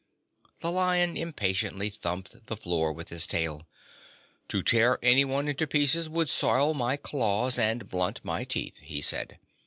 The Lion impatiently thumped the floor with his tail. "To tear anyone into pieces would soil my claws and blunt my teeth," he said.